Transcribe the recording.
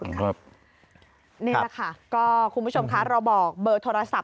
นี่แหละค่ะก็คุณผู้ชมคะเราบอกเบอร์โทรศัพท์